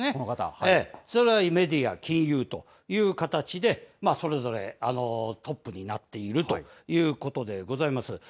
それぞれメディア、金融という形で、それぞれトップになっているということでございます。